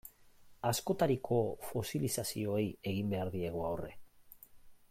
Askotariko fosilizazioei egin behar diegu aurre.